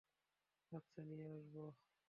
আচ্ছা, নিয়ে আসব।